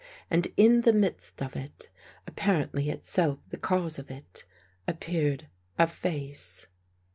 And in the midst of it, apparently itself the cause of it, ap peared a face.